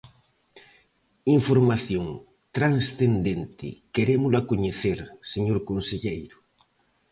Información transcendente, querémola coñecer, señor conselleiro.